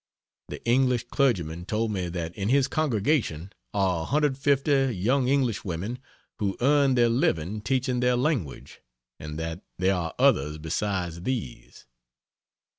The English clergyman told me that in his congregation are 150 young English women who earn their living teaching their language; and that there are others besides these.